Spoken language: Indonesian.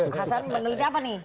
hasan meneliti apa nih